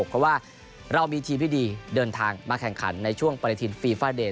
เพราะว่าเรามีทีมที่ดีเดินทางมาแข่งขันในช่วงปฏิทินฟีฟาเดน